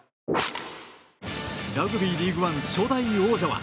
ラグビー、リーグワン初代王者は。